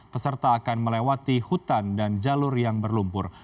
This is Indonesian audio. peserta akan melewati hutan dan jalur yang berlumpur